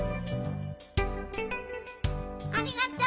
ありがとう。